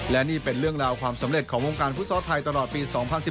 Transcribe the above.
และนี่เป็นเรื่องราวความสำเร็จของวงการฟุตซอลไทยตลอดปี๒๐๑๘